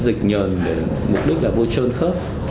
dịch nhờ mình để mục đích là vô chơn khớp